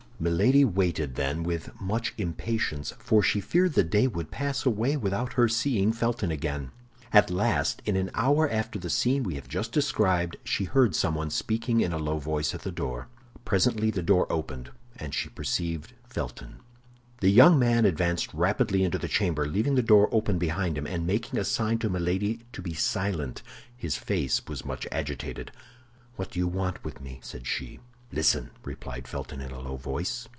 Milady waited, then, with much impatience, for she feared the day would pass away without her seeing Felton again. At last, in an hour after the scene we have just described, she heard someone speaking in a low voice at the door. Presently the door opened, and she perceived Felton. The young man advanced rapidly into the chamber, leaving the door open behind him, and making a sign to Milady to be silent; his face was much agitated. "What do you want with me?" said she. "Listen," replied Felton, in a low voice.